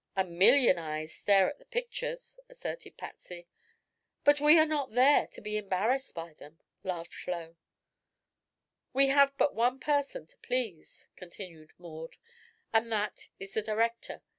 "A million eyes stare at the pictures," asserted Patsy. "But we are not there to be embarrassed by them," laughed Flo. "We have but one person to please," continued Maud, "and that is the director.